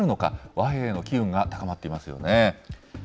和平への機運が高まっていますよね。